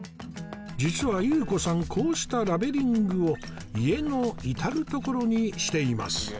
実は祐子さんこうしたラベリングを家の至る所にしています